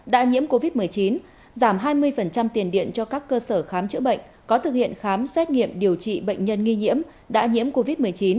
đã nhiễm covid một mươi chín giảm hai mươi tiền điện cho các cơ sở khám chữa bệnh có thực hiện khám xét nghiệm điều trị bệnh nhân nghi nhiễm đã nhiễm covid một mươi chín